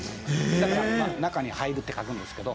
だから「仲に入る」って書くんですけど。